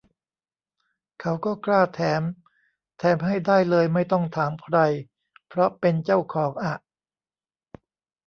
เขาก็กล้าแถม แถมให้ได้เลยไม่ต้องถามใคร เพราะเป็นเจ้าของอะ